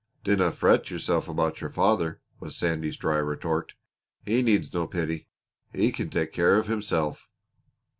"Dinna fret yourself about your father," was Sandy's dry retort. "He needs no pity. He can take care of himself."